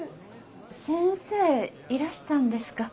先生いらしたんですか。